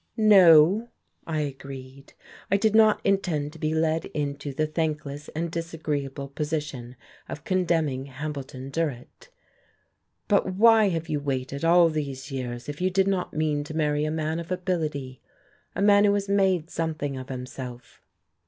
"No," I agreed. I did not intend to be led into the thankless and disagreeable position of condemning Hambleton Durrett. "But why have you waited all these years if you did not mean to marry a man of ability, a man who has made something of himself?"